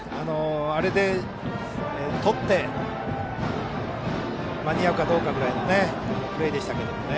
あれでとって間に合うかどうかくらいのプレーでしたけどね。